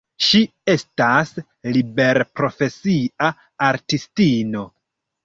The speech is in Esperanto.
Ŝi estas liberprofesia artistino.